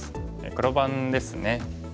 黒番ですね。